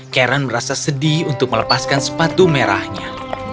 karen merasa sedih untuk melepaskan sepatu merahnya